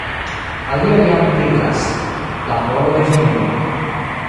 Aliaj jam priklas: laboro de virinoj.